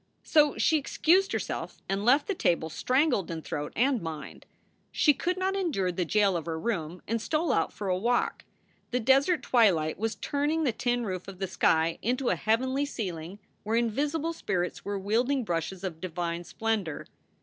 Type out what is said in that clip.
So she excused herself and left the table, strangled in throat and mind. She could not endure the jail of her room, and stole out for a walk. The desert twilight was turning the tin roof of the sky into a heavenly ceiling where invisible spirits were wielding brushes of divine splendor.